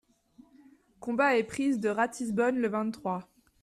Combat et prise de Ratisbonne, le vingt-trois.